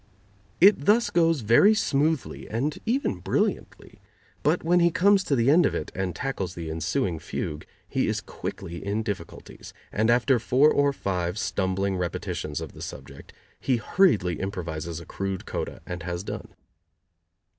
It thus goes very smoothly and even brilliantly, but when he comes to the end of it and tackles the ensuing fugue he is quickly in difficulties, and after four or five stumbling repetitions of the subject he hurriedly improvises a crude coda and has done.